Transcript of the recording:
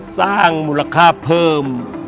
สร้างมูลค่าเพิ่ม